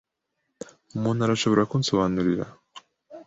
Umuntu arashobora kunsobanurira?